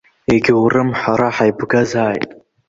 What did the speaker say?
Егьоурым, ҳара ҳаибгазааит.